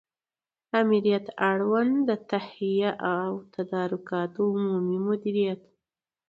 آمریت اړوند د تهیه او تدارکاتو عمومي مدیریت